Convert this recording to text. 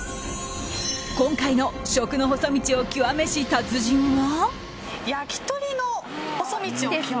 今回の食の細道を極めし達人は。